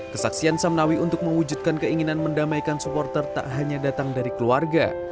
kesaksian samnawi untuk mewujudkan keinginan mendamaikan supporter tak hanya datang dari keluarga